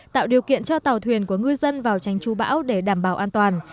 tạo điều kiện cho tàu thuyền của người dân vào tránh trú bão để đảm bảo an toàn